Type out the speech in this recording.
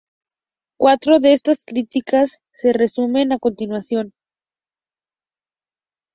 Cuatro de estas críticas se resumen a continuación.